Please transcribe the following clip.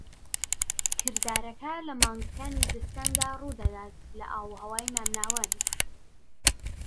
کردارەکە لە مانگەکانی زستاندا ڕوودەدات لە ئاوهەوای مامناوەند.